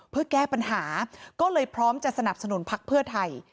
เพื่อแก้ปัญหาก็เลยพร้อมจะสนับสนุนพักเพื่อไทย